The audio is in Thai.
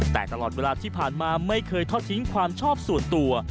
แต่ตลอดเวลาที่ผ่านมาไม่เคยทอดทิ้งความชอบส่วนตัว